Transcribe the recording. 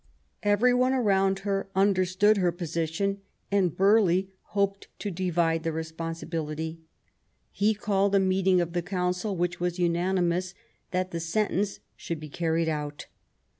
Every one around her understood her position ; and Burghley hoped to divide the responsibility. He called a meeting of the Council, which was unanimous that the sentence should be carried out.